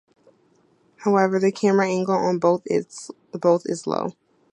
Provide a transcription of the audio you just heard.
However, the camera angle on both is low.